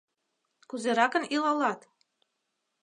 «Кузеракын илалат?»